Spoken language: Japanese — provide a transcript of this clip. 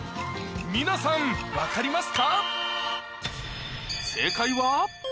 皆さん分かりますか？